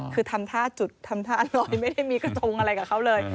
คือทำท่าจุดทำท่าอร่อยไม่ได้มีกระจงอะไรกับเขาเลย